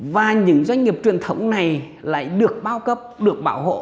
và những doanh nghiệp truyền thống này lại được bao cấp được bảo hộ